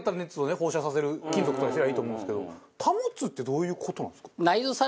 放射させる金属とかにすりゃいいと思うんですけど保つってどういう事なんですか？